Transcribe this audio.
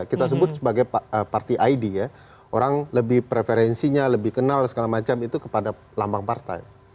kita sebut sebagai partai id ya orang lebih preferensinya lebih kenal segala macam itu kepada lambang partai